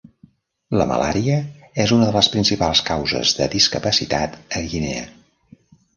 La malària és una de les principals causes de discapacitat a Guinea.